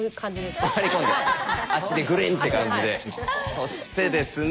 そしてですね